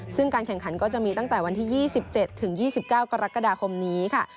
ซึ่งการแข่งขันก็จะมีตั้งแต่วันที่๒๗ถึง๒๙กรกฎาคมนี้ค่ะ